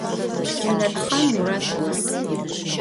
Cenetxhan Murat gos.